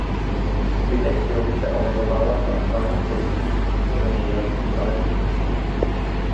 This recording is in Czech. Zbytek výroby se omezoval na zpracování produktů z místního zemědělství a lesnictví.